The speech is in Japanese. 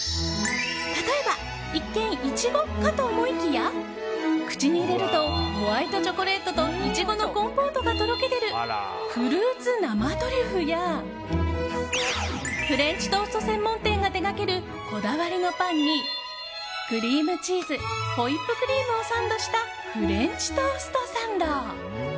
例えば、一見イチゴかと思いきや口に入れるとホワイトチョコレートとイチゴのコンポートがとろけ出るフルーツ生トリュフやフレンチトースト専門店が手がけるこだわりのパンにクリームチーズホイップクリームをサンドしたフレンチトーストサンド。